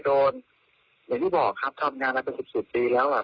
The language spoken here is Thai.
เหมือนที่บอกครับทำงานมา๑๐ปีแล้วโอ้โต้